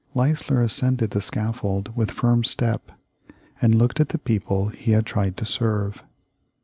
] Leisler ascended the scaffold with firm step, and looked at the people he had tried to serve.